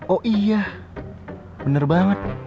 oh iya bener banget